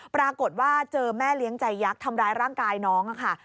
ปรากฏว่าเจอแม่เลี้ยงใจยักษ์ทำร้ายร่างกายน้องค่ะ